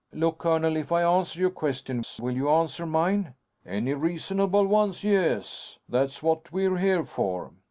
"Look, colonel. If I answer your questions, will you answer mine?" "Any reasonable ones, yes. That's what we're here for."